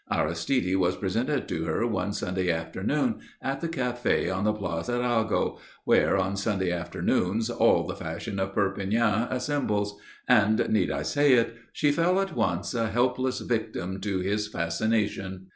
Aristide was presented to her one Sunday afternoon at the Café on the Place Arago where on Sunday afternoons all the fashion of Perpignan assembles and need I say it? she fell at once a helpless victim to his fascination.